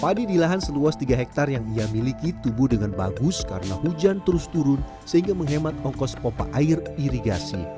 padi di lahan seluas tiga hektare yang ia miliki tubuh dengan bagus karena hujan terus turun sehingga menghemat ongkos pompa air irigasi